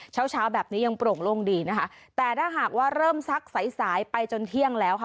เช้าเช้าแบบนี้ยังโปร่งโล่งดีนะคะแต่ถ้าหากว่าเริ่มซักสายสายไปจนเที่ยงแล้วค่ะ